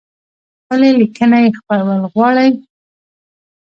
خپلي لیکنۍ خپرول غواړی؟